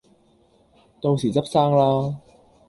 到時執生啦